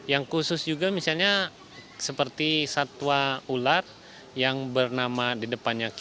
yang khusus juga misalnya seperti satwa ular yang bernama di depannya